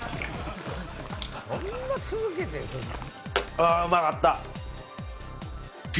あうまかった！